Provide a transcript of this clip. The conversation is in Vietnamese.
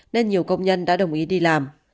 nên nhiều công nhân đã đồng ý đi làm